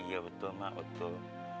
iya betul mak betul